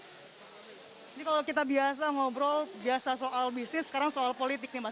jadi kalau kita biasa ngobrol biasa soal bisnis sekarang soal politik nih mas